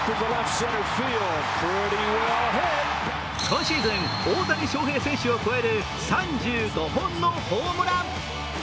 今シーズン、大谷翔平選手を超える３５本のホームラン。